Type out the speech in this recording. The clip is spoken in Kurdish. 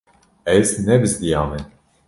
Ez nebizdiyame.